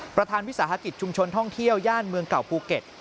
วิสาหกิจชุมชนท่องเที่ยวย่านเมืองเก่าภูเก็ต